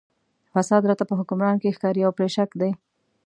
فساد راته په حکمران کې ښکاري او پرې شک دی.